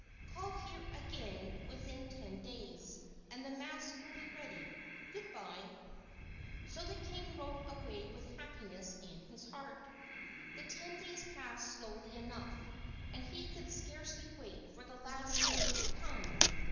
"Call here again within ten days, and the mask will be ready. Good by." So the king rode away with happiness in his heart. The ten days passed slowly enough, and he could scarcely wait for the last day to come.